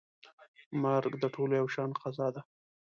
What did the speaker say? مرګ د ټولو یو شان قضا ده.